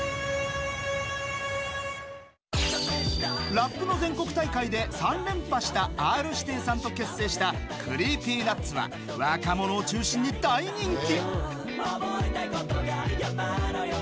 ラップの全国大会で３連覇したＲ−指定さんと結成したＣｒｅｅｐｙＮｕｔｓは若者を中心に大人気。